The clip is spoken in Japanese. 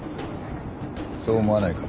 そう思わないか？